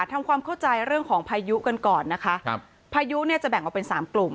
ทำความเข้าใจเรื่องของพายุกันก่อนนะคะครับพายุเนี่ยจะแบ่งออกเป็นสามกลุ่ม